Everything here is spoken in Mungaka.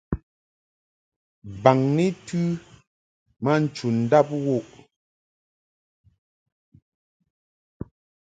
Baŋni tɨ ma nchundab wuʼ.